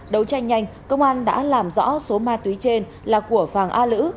đấu tranh nhanh công an đã làm rõ số ma túy trên là của phàng a lữ